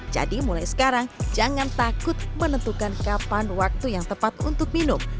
jadi mulai sekarang jangan takut menentukan kapan waktu yang tepat untuk minum